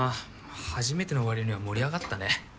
初めてのわりには盛り上がったね。